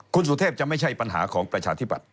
คุณสุทธิปัตย์จะไม่ใช่ปัญหาของประชาธิปัตย์